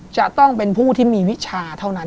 จะต้องเป็นผู้ที่มีวิชาเท่านั้น